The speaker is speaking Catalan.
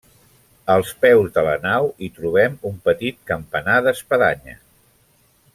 Als peus de la nau hi trobem un petit campanar d'espadanya.